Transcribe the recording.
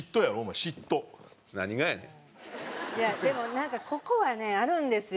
いやでもなんかここはねあるんですよ。